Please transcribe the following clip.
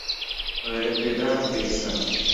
ڕێگەپێدانم پێویستە.